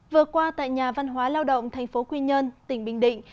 vừa qua tại nhà văn hóa lao động tp quy nhơn tỉnh bình định